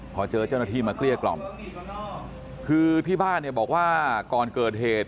พอเจอเจ้าหน้าที่มาเกลี้ยกล่อมคือที่บ้านเนี่ยบอกว่าก่อนเกิดเหตุ